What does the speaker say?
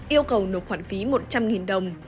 yêu cầu nộp khoản phí một trăm linh đồng